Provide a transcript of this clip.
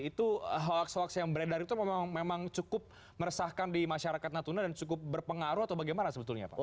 itu hoax hoax yang beredar itu memang cukup meresahkan di masyarakat natuna dan cukup berpengaruh atau bagaimana sebetulnya pak